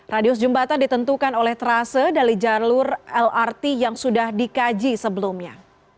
radius jembatan ditentukan oleh terase dari jalur lrt yang sudah dikaji sebelumnya